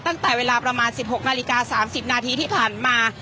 ตั้งแต่เวลาประมาณ๑๖นาฬิกา๓๐นาทีที่ผ่านมา